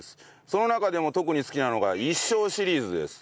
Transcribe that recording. その中でも特に好きなのが一生シリーズです。